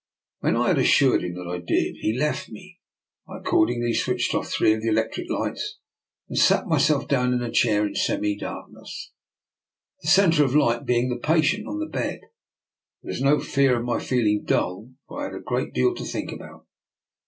" When I had assured him that I did, he left me. I accordingly switched oflf three of the electric lights, and sat myself down in a chair in semi darkness, the centre of light be ing the patient on the bed. There was no fear of my feeling dull, for I had a great deal to think about.